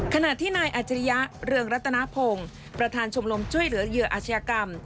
ขณะที่นายอัจฉริยะเรืองรัตนพงศ์ประธานชมรมช่วยเหลือเหยื่ออาชญากรรม